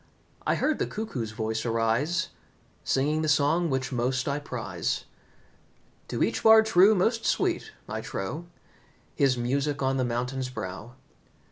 I heard the cuckoo's voice arise, Singing the song which most I prize. To each Bard true most sweet I trow His music on the mountain's brow.